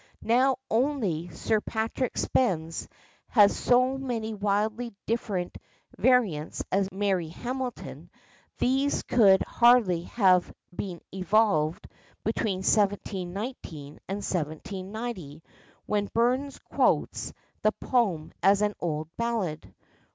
Now only Sir Patrick Spens has so many widely different variants as Mary Hamilton. These could hardly have been evolved between 1719 and 1790, when Burns quotes the poem as an old ballad.